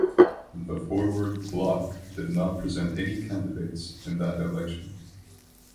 The Forward Bloc did not present any candidates in that election.